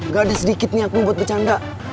gak ada sedikit nih aku buat bercanda